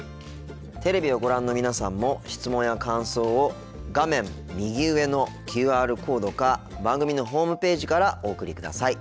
テレビをご覧の皆さんも質問や感想を画面右上のＱＲコードか番組のホームページからお送りください。